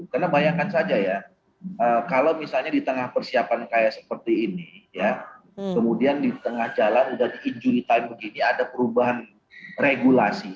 karena bayangkan saja ya kalau misalnya di tengah persiapan kayak seperti ini kemudian di tengah jalan sudah diinjuri time begini ada perubahan regulasi